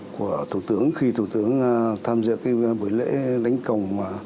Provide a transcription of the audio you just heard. của thủ tướng khi thủ tướng tham dự cái buổi lễ đánh cồng